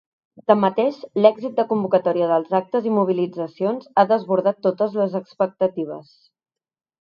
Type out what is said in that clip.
Tanmateix, l’èxit de convocatòria dels actes i mobilitzacions ha desbordat totes les expectatives.